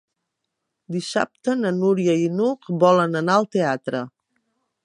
Dissabte na Núria i n'Hug volen anar al teatre.